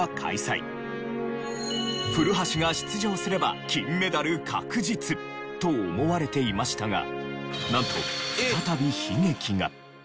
古橋が出場すれば金メダル確実と思われていましたがなんと再び悲劇が。